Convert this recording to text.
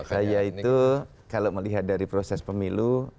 saya itu kalau melihat dari proses pemilu